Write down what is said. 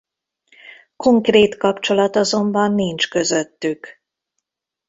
Konkrét kapcsolat azonban nincs közöttük.